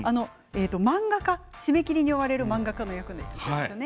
漫画家が、締め切りに追われる漫画家の役ですよね。